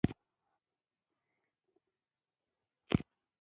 ازادي راډیو د حیوان ساتنه ته پام اړولی.